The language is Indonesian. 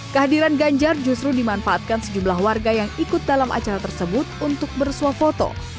kehadiran ganjar justru dimanfaatkan sejumlah warga yang ikut dalam acara tersebut untuk bersuah foto